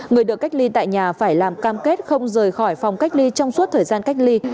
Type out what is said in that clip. người được cách ly tại nhà phải làm cam kết không rời khỏi phòng cách ly trong suốt thời gian cách ly